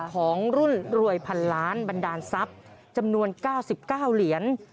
ของรุ่นรวยพันล้านบันดาลทรัพย์จำนวน๙๙เหรียญ